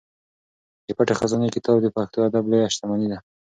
د پټې خزانې کتاب د پښتو ادب لویه شتمني ده.